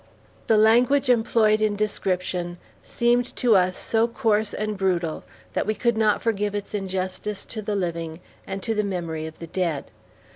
The language employed in description seemed to us so coarse and brutal that we could not forgive its injustice to the living, and to the memory of the dead.